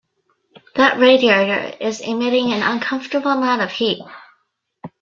That radiator is emitting an uncomfortable amount of heat.